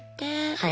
はい。